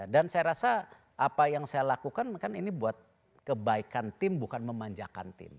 dan saya rasa apa yang saya lakukan kan ini buat kebaikan tim bukan memanjakan tim